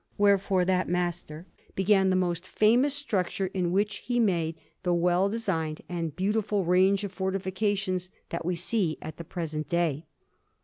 Wherefore that master began that most famous structure, in which he made the well designed and beautiful range of fortifications that we see at the present day.